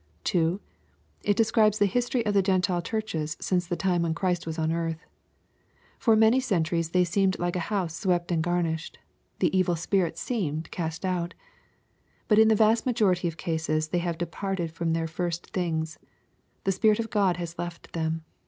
2. — ^It describes the history of the Gentile churches since the time when Christ w^ on earth. For many centuries they seemed Uke a house swept and garnished. The evil spirit seemed cast out. But in tlie vast majority of cases they have departed from their first things. The Spirit of God has left them.